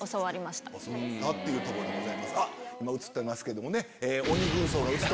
今映ってますけどもね。